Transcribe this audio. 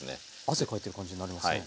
汗かいてる感じになりますね。